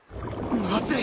まずい！